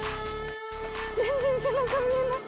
全然背中見えない